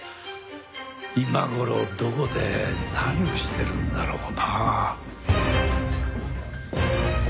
今頃どこで何をしてるんだろうなあ。